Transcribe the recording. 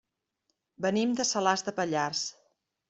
Venim de Salàs de Pallars.